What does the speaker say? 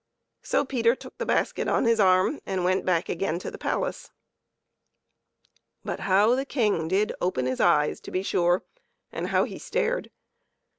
So Peter took the basket on his arm and went back again to the palace. But how the King did open his eyes, to be sure, and how he stared